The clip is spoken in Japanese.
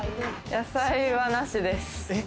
野菜はなしです。